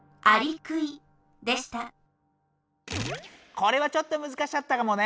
これはちょっと難しかったかもね。